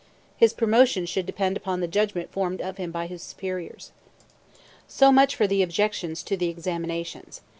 His promotion should depend upon the judgment formed of him by his superiors. So much for the objections to the examinations.